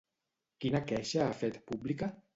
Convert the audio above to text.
Quina queixa ha fet pública?